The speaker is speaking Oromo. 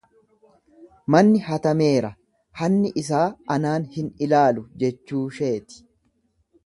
Manni hatameera hanni isaa anaan hin ilaalu jechuusheeti.